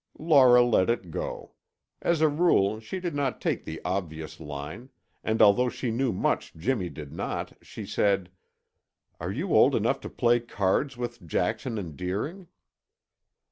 Laura let it go. As a rule, she did not take the obvious line, and although she knew much Jimmy did not, she said, "Are you old enough to play cards with Jackson and Deering?"